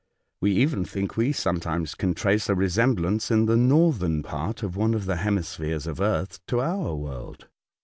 We even think we sometimes can trace a resemblance in the northern part of one of the hemispheres of earth to our world."